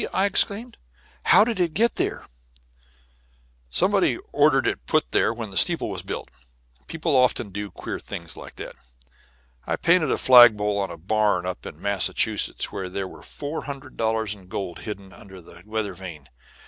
I exclaimed. "How did it get there?" "Somebody ordered it put there when the steeple was built. People often do queer things like that. I painted a flagpole on a barn up in Massachusetts where there was four hundred dollars in gold hidden under the weather vane.